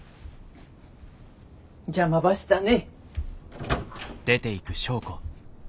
邪魔ばしたね。